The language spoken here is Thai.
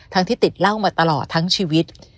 ที่ติดเหล้ามาตลอดทั้งชีวิต